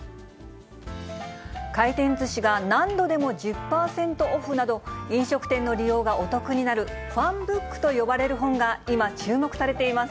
回転ずしが何度でも１０％オフなど、飲食店の利用がお得になる、ファンブックと呼ばれる本が今注目されています。